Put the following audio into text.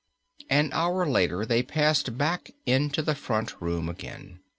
6 An hour later they passed back into the front room again.